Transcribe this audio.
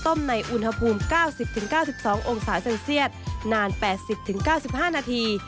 ในอุณหภูมิ๙๐๙๒องศาเซลเซียตนาน๘๐๙๕นาที